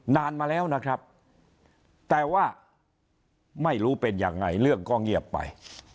นานมาแล้วนะครับแต่ว่าไม่รู้เป็นยังไงเรื่องก็เงียบไป